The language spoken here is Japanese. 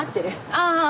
ああ。